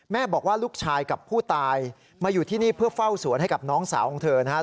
บอกว่าลูกชายกับผู้ตายมาอยู่ที่นี่เพื่อเฝ้าสวนให้กับน้องสาวของเธอนะครับ